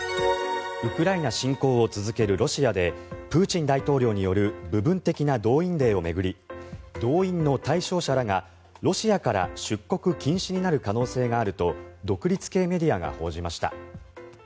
ウクライナ侵攻を続けるロシアでプーチン大統領による部分的な動員令を巡り動員の対象者らがロシアから出国禁止になる可能性があると独立系メディアが報じました。